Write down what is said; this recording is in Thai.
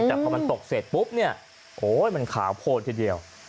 แต่พอมันตกเสร็จปุ๊บมันขาโพนทีเดียว